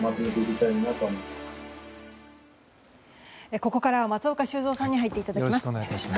ここからは松岡修造さんに入っていただきます。